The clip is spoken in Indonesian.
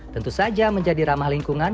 tentu saja menjadi ramah lingkungan